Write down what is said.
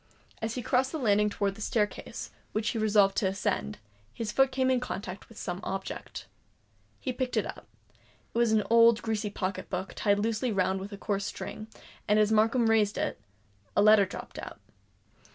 As he crossed the landing towards the staircase, which he resolved to ascend, his foot came in contact with some object. He picked it up: it was an old greasy pocket book, tied loosely round with a coarse string, and as Markham raised it, a letter dropped out.